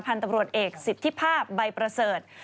พันธุ์ตำรวจเอกสิทธิภาพใบประเสริฐ